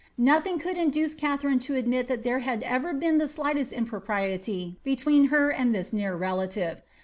Nothing could indoce Katharine to admit that there had ever been the slightest improprietv between her and this near relative.